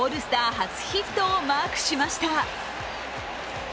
初ヒットをマークしました。